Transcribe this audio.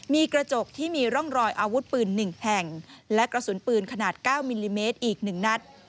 มีกระจกที่มีร่องรอยอาวุธปืน๑แห่งและกระสุนปืนขนาด๙มิลลิเมตรอีก๑นัด